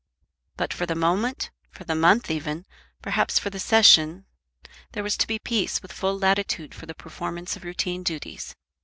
But for the moment, for the month even, perhaps for the Session, there was to be peace, with full latitude for the performance of routine duties.